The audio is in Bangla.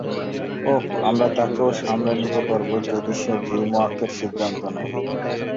ওহ, আমরা তাকেও সামলে নিতে পারব যদি সে ড্রিমওয়াকের সিদ্ধান্ত নেয়।